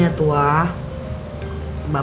yang udah kagak mau lewat